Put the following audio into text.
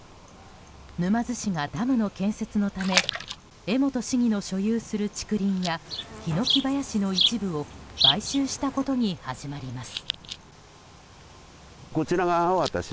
沼津市がダムの建設のため江本市議の所有する竹林やヒノキ林の一部を買収したことに始まります。